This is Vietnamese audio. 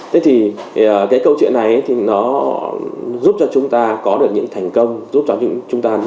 thế thì cái câu chuyện này thì nó giúp cho chúng ta có được những thành công giúp cho chúng ta